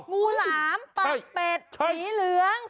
งูหลามปากเป็ดสีเหลือง